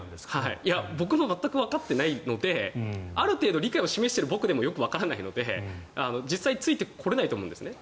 僕も全くわかっていないのである程度理解を示している僕でもよくわからないので実際、ついてこれないと思うんですね。